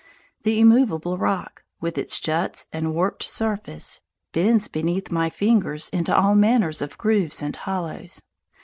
The immovable rock, with its juts and warped surface, bends beneath my fingers into all manner of grooves and hollows.